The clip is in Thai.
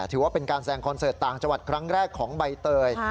ถือว่าเป็นการแซงคอนเสิร์ตต่างจังหวัดครั้งแรกของใบเตย